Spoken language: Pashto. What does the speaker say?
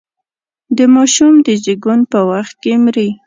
د ماشوم د زېږون په وخت کې مري.